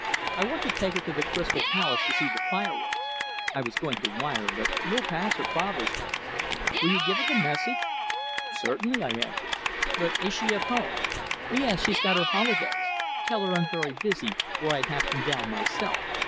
I want to take her to the Crystal Palace to see the fireworks. I was going to wire, but you'll pass her father's place. Will you give her the message?" "Certainly," I answered. "But is she at home?" "Yes. She's got her holidays. Tell her I'm very busy, or I'd have come down myself.